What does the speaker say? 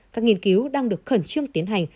các nghiên cứu đang được khẩn trương tiến hành